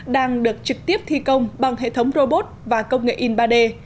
đang được trực tiếp thi công bằng hệ thống robot và công nghệ in ba d